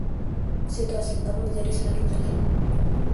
Situasi Tom menjadi semakin sulit.